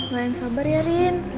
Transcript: lo yang sabar ya rin